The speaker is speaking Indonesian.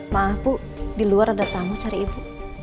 maaf bu di luar ada tamu cari ibu